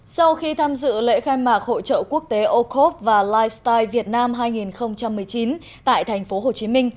sau khi tham dự lễ khai mạc hội trợ quốc tế ocope và lifestyle việt nam hai nghìn một mươi chín tại tp hcm